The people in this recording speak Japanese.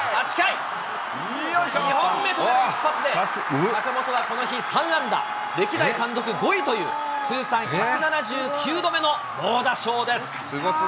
２本目となる一発で、坂本はこの日３安打、歴代単独５位という、通算１７９度目の猛打賞です。